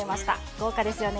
豪華ですよね。